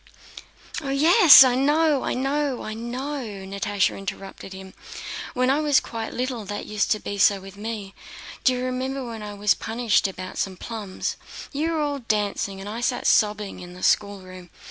"Oh yes, I know, I know, I know!" Natásha interrupted him. "When I was quite little that used to be so with me. Do you remember when I was punished once about some plums? You were all dancing, and I sat sobbing in the schoolroom?